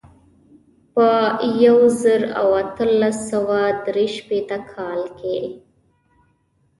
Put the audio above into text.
په یو زر او اتلس سوه درې شپېته کال کې.